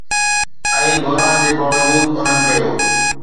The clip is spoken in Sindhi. ۽ بحران جي باوجود، انهن ڪيو